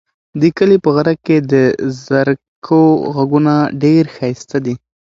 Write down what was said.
د کلي په غره کې د زرکو غږونه ډېر ښایسته دي.